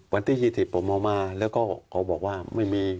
วันที่๒๐ผมเอามาแล้วก็เขาบอกว่าไม่มี